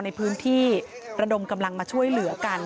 ในพื้นที่ระดมกำลังมาช่วยเหลือกัน